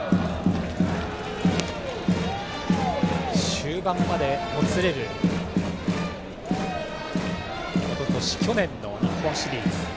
終盤までもつれたおととし、去年の日本シリーズ。